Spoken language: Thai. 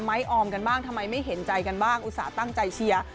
ออมกันบ้างทำไมไม่เห็นใจกันบ้างอุตส่าห์ตั้งใจเชียร์